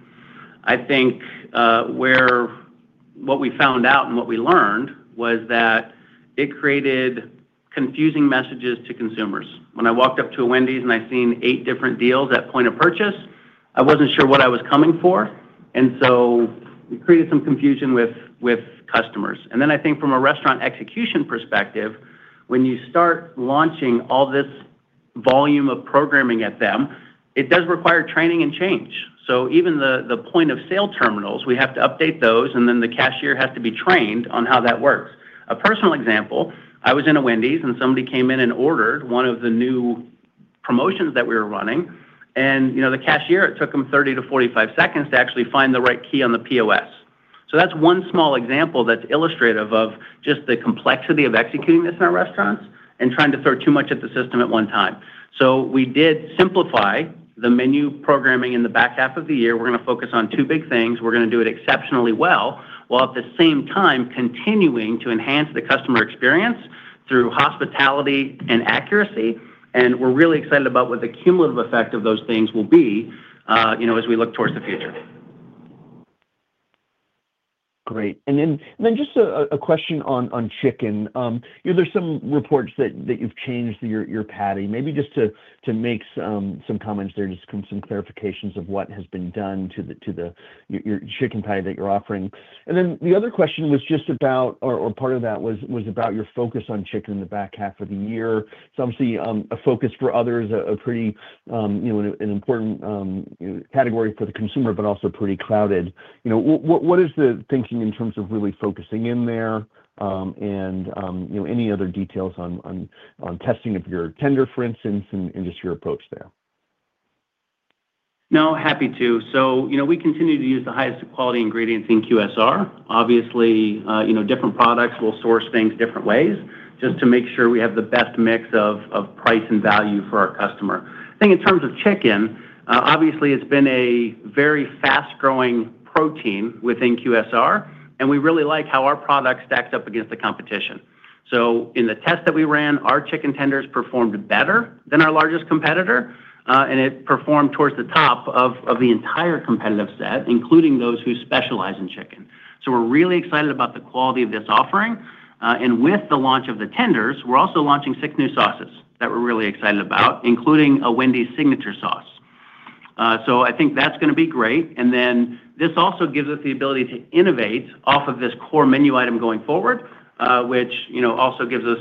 I think what we found out and what we learned was that it created confusing messages to consumers. When I walked up to a Wendy's and I saw eight different deals at point of purchase, I wasn't sure what I was coming for. It created some confusion with customers. I think from a restaurant execution perspective, when you start launching all this volume of programming at them, it does require training and change. Even the point of sale terminals, we have to update those and then the cashier has to be trained on how that works. A personal example, I was in a Wendy's and somebody came in and ordered one of the new promotions that we were running. The cashier, it took them 30 seconds-45 seconds to actually find the right key on the POS. That's one small example that's illustrative of just the complexity of executing this in our restaurants and trying to throw too much at the system at one time. We did simplify the menu programming. In the back half of the year, we're going to focus on two big things. We're going to do it exceptionally well, while at the same time continuing to enhance the customer experience through hospitality and accuracy. We're really excited about what the cumulative effect of those things will be as we look towards the future. Great. Just a question on chicken, there's some reports that you've changed your patty, maybe just to make some comments there, just some clarifications of what has been done to the chicken patty that you're offering. The other question was just about, or part of that was about your focus on chicken. In the back half of the year, some see a focus, for others it's a pretty important category for the consumer, but also pretty crowded. What is the thinking in terms of really focusing in there? Any other details on testing of your tender, for instance, and just your approach there? Happy to. We continue to use the highest quality ingredients in QSR. Obviously, different products will source things different ways just to make sure we have the best mix of price and value for our customer. I think in terms of chicken, obviously it's been a very fast growing protein within QSR and we really like how our product stacks up against the competition. In the test that we ran, our chicken tenders performed better than our largest competitor, and it performed towards the top of the entire competitive set, including those who specialize in chicken. We're really excited about the quality of this offering. With the launch of the tenders, we're also launching six new sauces that we're really excited about, including a Wendy's signature sauce. I think that's going to be great. This also gives us the ability to innovate off of this core menu item going forward, which also gives us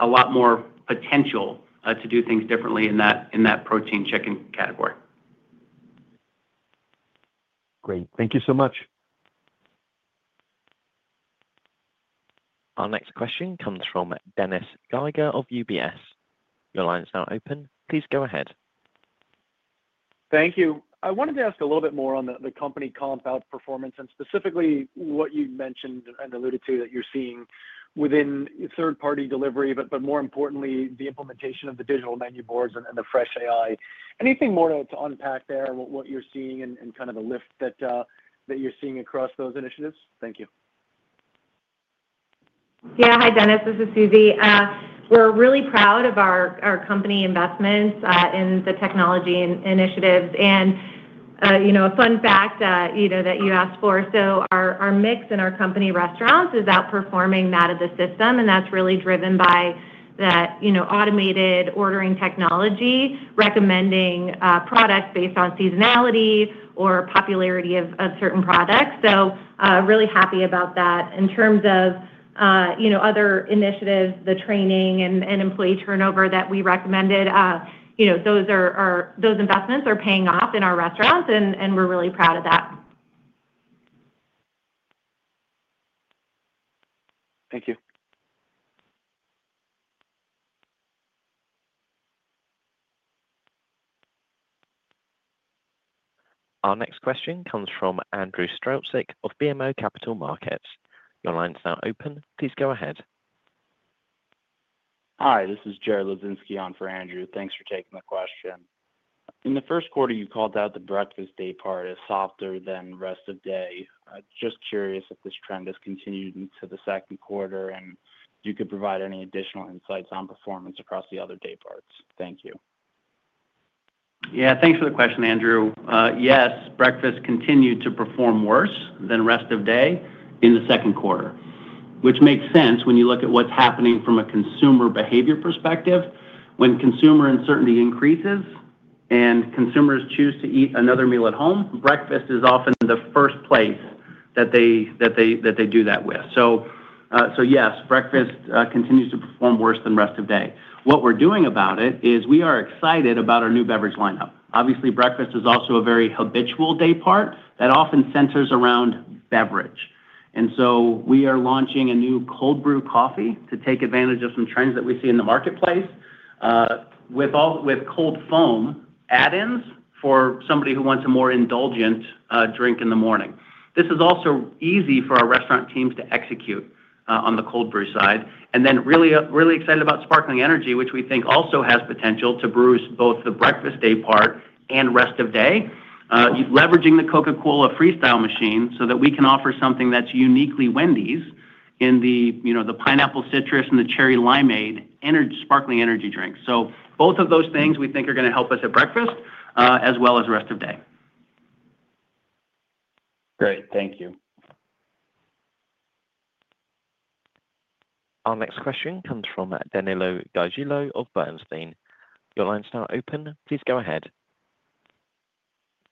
a lot more potential to do things differently in that protein chicken category. Great, thank you so much. Our next question comes from Dennis Geiger of UBS. Your line is now open. Please go ahead. Thank you. I wanted to ask a little bit more on the company comp outperformance and specifically what you mentioned and alluded to that you're seeing within third party delivery, but more importantly the implementation of the digital menu boards and the FreshAI. Anything more to unpack there, what you're seeing and kind of the lift that you're seeing across those initiatives. Thank you. Yeah. Hi Dennis, this is Suzie. We're really proud of our company investments in the technology initiatives, and a fun fact that you asked for: our mix in our company restaurants is outperforming that of the system, and that's really driven by that automated ordering technology, recommending products based on seasonality or popularity of certain products. Really happy about that. In terms of other initiatives, the training and employee turnover that we recommended, those investments are paying off in our restaurants, and we're really proud of that. Thank you. Our next question comes from Andrew Strauczyk of BMO Capital Markets. Your line is now open. Please go ahead. Hi, this is Jared Hludzinski on for Andrew. Thanks for taking the question. In the first quarter you called out the breakfast day part is softer than rest of day. Just curious if this trend has continued into the second quarter and you could provide any additional insights on performance across the other day parts. Thank you. Yeah, thanks for the question, Andrew. Yes, breakfast continued to perform worse than rest of day in the second quarter, which makes sense when you look at what's happening from a consumer behavior perspective. When consumer uncertainty increases and consumers choose to eat another meal at home, breakfast is often the first place that they do that with. Yes, breakfast continues to perform worse than rest of day. What we're doing about it is we are excited about our new beverage lineup. Obviously, breakfast is also a very habitual day part that often centers around beverage. We are launching a new cold brew coffee to take advantage of some trends that we see in the marketplace with cold foam add-ins for somebody who wants a more indulgent drink in the morning. This is also easy for our restaurant teams to execute on the cold brew side and then really excited about sparkling energy, which we think also has potential to brew both the breakfast day part and rest of day leveraging the Coca-Cola Freestyle machine so that we can offer something that's uniquely Wendy's in the pineapple citrus and the cherry limeade energy sparkling energy drink. Both of those things we think are going to help us at breakfast as well as rest of day. Great, thank you. Our next question comes from Danilo Gargiulo of Bernstein. Your line is now open. Please go ahead.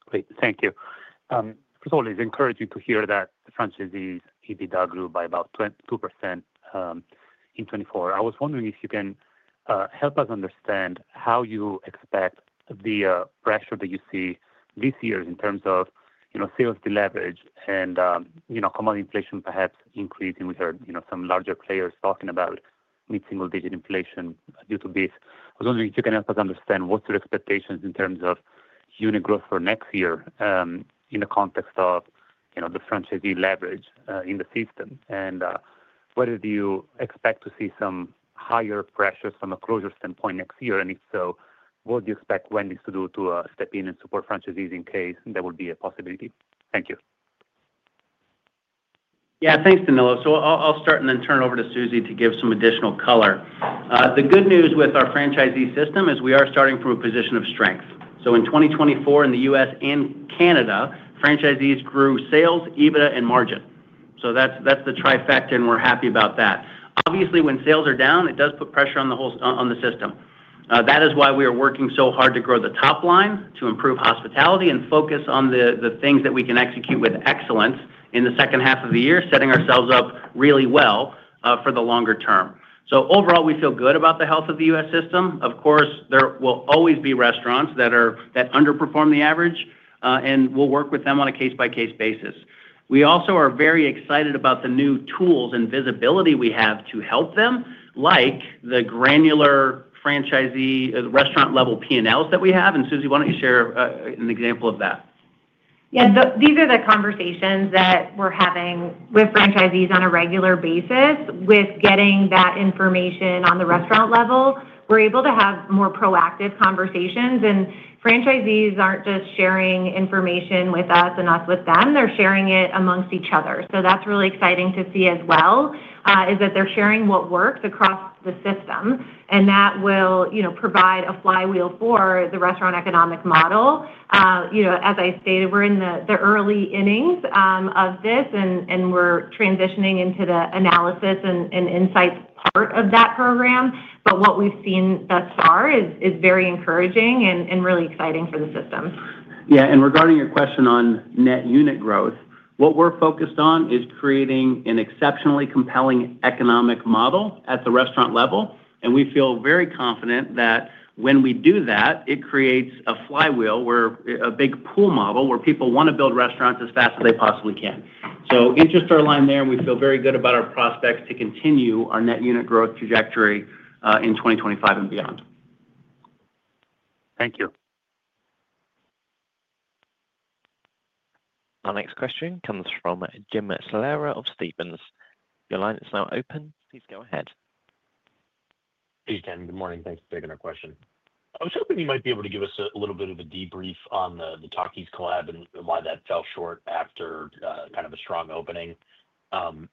Great, thank you. First of all, it's encouraging to hear that the franchisees' EBITDA grew by about 2% in 2024. I was wondering if you can help us understand how you expect the pressure that you see this year in terms of sales deleverage and commodity inflation perhaps increasing. We heard some larger players talking about mid single digit inflation due to this. I was wondering if you can help us understand what's your expectations in terms of unit growth for next year in the context of, you know, the franchisee leverage in the system and whether do you expect to see some higher pressures from a closure standpoint next year and if so, what do you expect Wendy's to do to step in and support franchisees in case that would be a possibility? Thank you. Yeah, thanks, Danilo. I'll start and then turn over to Suzie to give some additional color. The good news with our franchisee system is we are starting from a position of strength. In 2024 in the U.S. and Canada, franchisees grew sales, EBITDA and margin. That's the trifecta and we're happy about that. Obviously when sales are down, it does put pressure on the whole system. That is why we are working so hard to grow the top line to improve hospitality and focus on the things that we can execute with excellence in the second half of the year, setting ourselves up really well for the longer term. Overall we feel good about the health of the U.S. system. Of course there will always be restaurants that underperform the average and we'll work with them on a case by case basis. We also are very excited about the new tools and visibility we have to help them like the granular franchisee restaurant level P&Ls that we have. Suzie, why don't you share an example of that? Yeah, these are the conversations that we're having with franchisees on a regular basis. With getting that information on the restaurant level, we're able to have more proactive conversations. Franchisees aren't just sharing information with us and us with them. They're sharing it amongst each other. That's really exciting to see as well, that they're sharing what works across the system and that will provide a flywheel for the restaurant economic model. As I stated, we're in the early innings of this and we're transitioning into the analysis and insights of that program. What we've seen thus far is very encouraging and really exciting for the system. Yeah. Regarding your question on net unit growth, what we're focused on is creating an exceptionally compelling economic model at the restaurant level. We feel very confident that when we do that, it creates a flywheel, a big pool model where people want to build restaurants as fast as they possibly can. Interest is our line there and we feel very good about our prospects to continue our net unit growth trajectory in 2025 and beyond. Thank you. Our next question comes from Jim Salera of Stephens. Your line is now open. Please go ahead. Ken, good morning. Thanks for taking our question. I was hoping you might be able to give us a little bit of a debrief on the Takis collab and why that fell short after kind of a strong opening.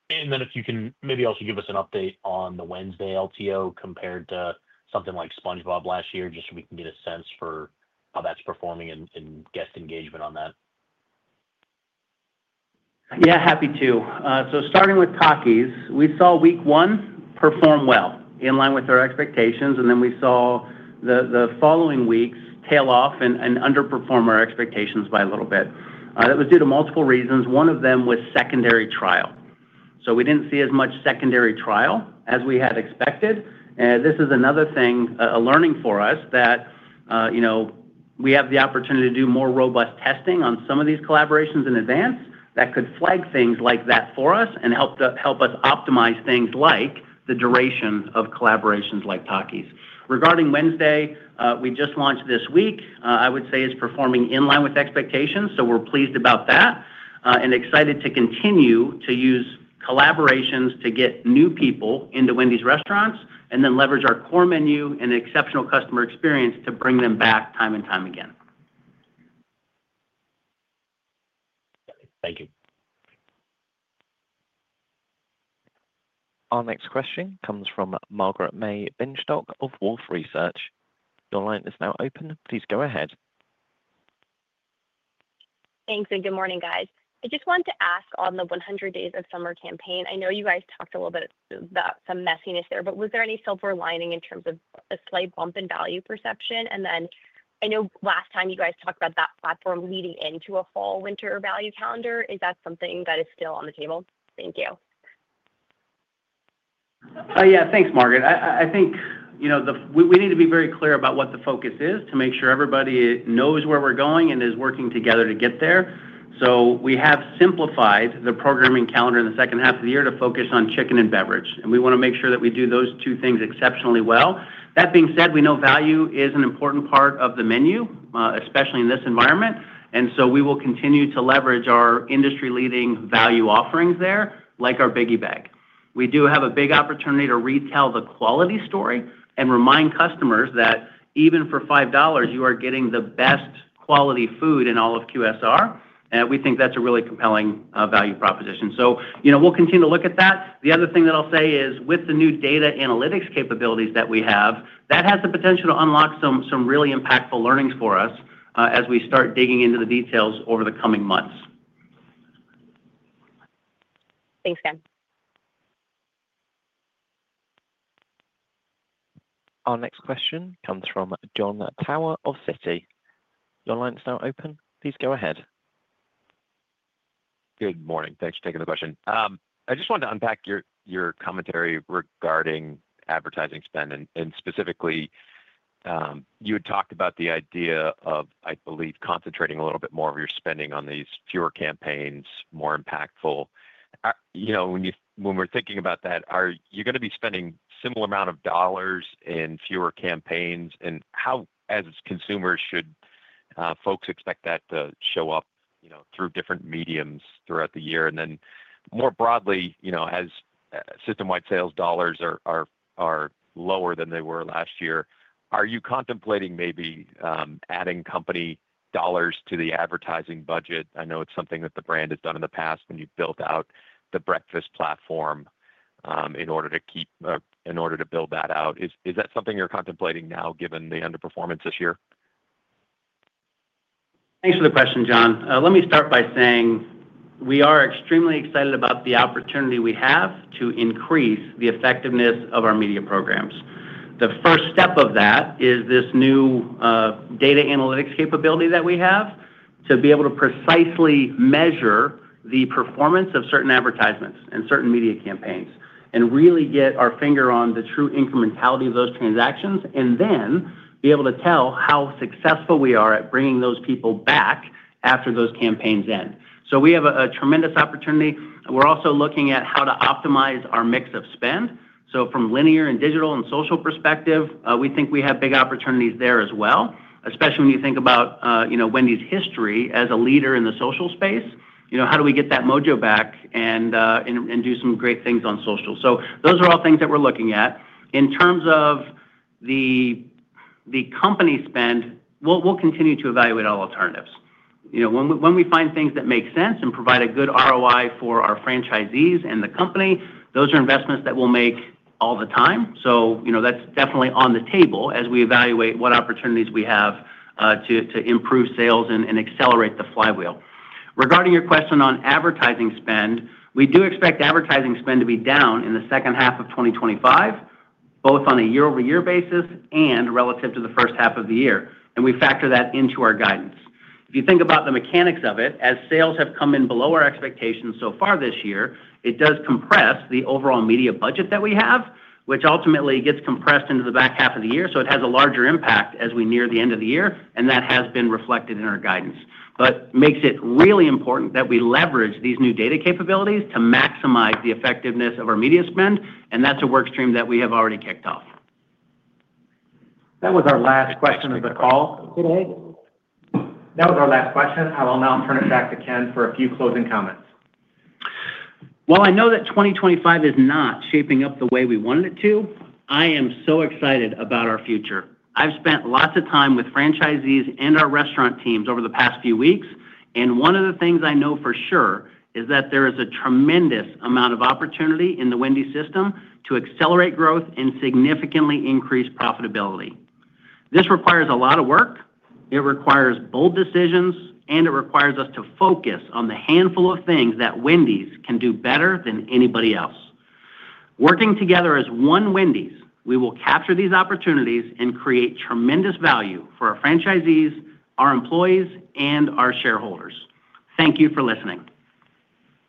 If you can, maybe also give us an update on the Wednesday LTO compared to something like the SpongeBob last year just so we can get a sense for how that's performing and guest engagement on that. Yeah, happy to. Starting with Takis, we saw week one perform well in line with our expectations. We saw the following weeks tail off and underperform our expectations by a little bit. That was due to multiple reasons. One of them was secondary trial. We didn't see as much secondary trial as we had expected. This is another thing, a learning for us that we have the opportunity to do more robust testing on some of these collaborations in advance that could flag things like that for us and help us optimize things like the duration of collaborations like Takis. Regarding Wednesday, we just launched this week. I would say it's performing in line with expectations. We're pleased about that and excited to continue to use collaborations to get new people into Wendy's restaurants and then leverage our core menu and exceptional customer experience to bring them back time and time again. Thank you. Our next question comes from Margaret-May Binshtok of Wolfe Research. Your line is now open. Please go ahead. Thanks. Good morning, guys. I just wanted to ask, on the 100 Days of Summer campaign, I know you guys talked a little bit about some messiness there, but was there any silver lining in terms of a slight bump in value perception? I know last time you guys talked about that platform leading into a fall winter value calendar. Is that something that is still on the table? Thank you. Yeah, thanks Margaret. I think, you know, we need to be very clear about what the focus is to make sure everybody knows where we're going and is working together to get there. We have simplified the programming calendar in the second half of the year to focus on chicken and beverage, and we want to make sure that we do those two things exceptionally well. That being said, we know value is an important part of the menu, especially in this environment. We will continue to leverage our industry-leading value offerings there. Like our Biggie Bag, we do have a big opportunity to retell the quality story and remind customers that even for $5 you are getting the best quality food in all of QSR. We think that's a really compelling value proposition. We'll continue to look at that. The other thing that I'll say is with the new data analytics capabilities that we have, that has the potential to unlock some really impactful learnings for us as we start digging into the details over the coming months. Thanks, Ken. Our next question comes from Jon Tower of Citi. Your line is now open. Please go ahead. Good morning. Thanks for taking the question. I just wanted to unpack your commentary regarding advertising spend, and specifically you had talked about the idea of, I believe, concentrating a little bit more of your spending on these fewer campaigns, more impactful. When we're thinking about that, are you going to be spending a similar amount of dollars in fewer campaigns? How as consumers should folks expect that to show up through different mediums throughout the year? More broadly, as systemwide sales dollars are lower than they were last year, are you contemplating maybe adding company dollars to the advertising budget? I know it's something that the brand had done in the past when you've built out the breakfast platform in order to build that out. Is that something you're contemplating now given the underperformance this year? Thanks for the question, Jon. Let me start by saying we are extremely excited about the opportunity we have to increase the effectiveness of our media programs. The first step of that is this new data analytics capability that we have to be able to precisely measure the performance of certain advertisements and certain media campaigns and really get our finger on the true incrementality of those transactions and then be able to tell how successful we are at bringing those people back after those campaigns end. We have a tremendous opportunity. We're also looking at how to optimize our mix of spend. From linear and digital and social perspective, we think we have big opportunities there as well, especially when you think about, you know, Wendy's history as a leader in the social space. How do we get that mojo back and do some great things on social? Those are all things that we're looking at in terms of the company spend. We'll continue to evaluate all alternatives. When we find things that make sense and provide a good ROI for our franchisees and the company, those are investments that we'll make all the time. That's definitely on the table as we evaluate what opportunities we have to improve sales and accelerate the flywheel. Regarding your question on advertising spend, we do expect advertising spend to be down in the second half of 2025, both on a year-over-year basis and relative to the first half of the year. We factor that into our guidance. If you think about the mechanics of it, as sales have come in below our expectations so far this year, it does compress the overall media budget that we have, which ultimately gets compressed into the back half of the year. It has a larger impact as we near the end of the year. That has been reflected in our guidance, which makes it really important that we leverage these new data capabilities to maximize the effectiveness of our media spend. That's a work stream that we have already kicked off. That was our last question of the call. That was our last question. I will now turn it back to Ken for a few closing comments. While I know that 2025 is not shaping up the way we wanted it to, I am so excited about our future. I've spent lots of time with franchisees and our restaurant teams over the past few weeks, and one of the things I know for sure is that there is a tremendous amount of opportunity in the Wendy's system to accelerate growth and significantly increase profitability. This requires a lot of work, it requires bold decisions, and it requires us to focus on the handful of things that Wendy's can do better than anybody else. Working together as One Wendy's, we will capture these opportunities and create tremendous value for our franchisees, our employees, and our shareholders. Thank you for listening.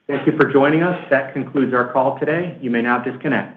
Thank you for joining us. That concludes our call today. You may now disconnect.